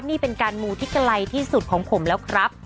นี่เป็นการมูที่ไกลที่สุดของผมแล้วครับ